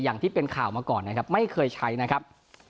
อย่างที่เป็นข่าวมาก่อนนะครับไม่เคยใช้นะครับ